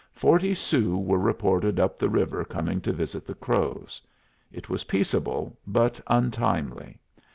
Forty Sioux were reported up the river coming to visit the Crows. It was peaceable, but untimely.